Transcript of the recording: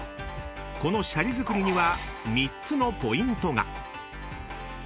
［このシャリ作りには３つのポイントが］